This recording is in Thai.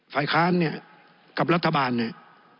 ฝ่ายค้านเนี่ยกับรัฐบาลเนี่ย